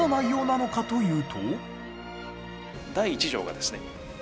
第１条がですね